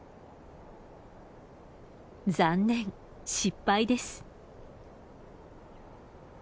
残念失敗です。